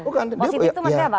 positif itu maksudnya apa